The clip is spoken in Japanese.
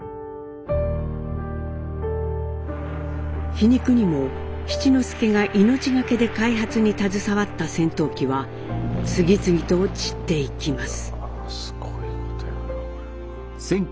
皮肉にも七之助が命懸けで開発に携わった戦闘機は次々と散っていきます。